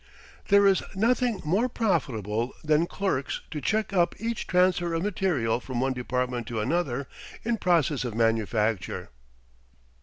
There is nothing more profitable than clerks to check up each transfer of material from one department to another in process of manufacture.